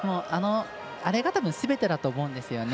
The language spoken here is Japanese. あれがたぶんすべてだと思うんですよね。